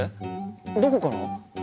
どこから？